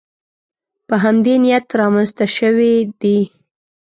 په همدې نیت رامنځته شوې دي